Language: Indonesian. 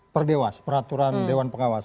per dewas peraturan dewan pengawas